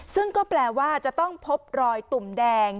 ซึ่งก็แปลว่าจะต้องพบรอยตุ่มแดง